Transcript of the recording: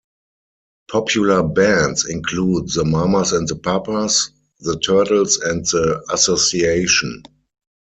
Popular bands include the Mamas and the Papas, the Turtles, and the Association.